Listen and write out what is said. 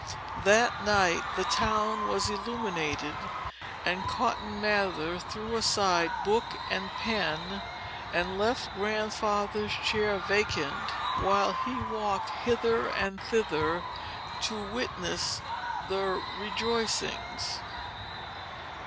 That night, the town was illuminated; and Cotton Mather threw aside book and pen, and left Grandfather's chair vacant, while he walked hither and thither to witness the rejoicings.